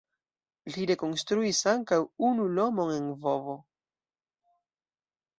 Li rekonstruis ankaŭ unu domon en Lvovo.